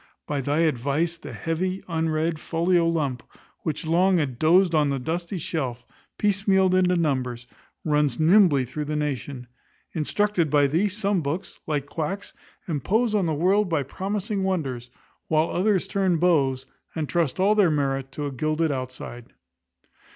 By thy advice the heavy, unread, folio lump, which long had dozed on the dusty shelf, piecemealed into numbers, runs nimbly through the nation. Instructed by thee, some books, like quacks, impose on the world by promising wonders; while others turn beaus, and trust all their merits to a gilded outside.